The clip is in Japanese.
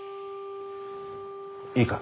いいか？